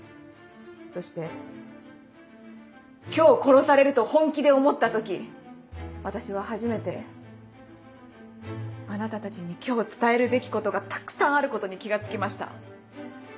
そして今日殺されると本気で思った時私は初めてあなたたちに今日伝えるべきことがたくさんあることに気が付きました。